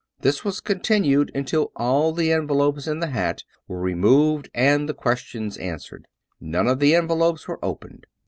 This was con tinued until all of the envelopes in the hat were removed and the questions answered. None of the envelopes were opened.